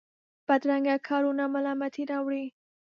بدرنګه کارونه ملامتۍ راولي